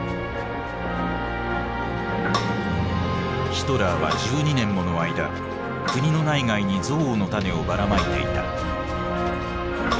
ヒトラーは１２年もの間国の内外に憎悪の種をばらまいていた。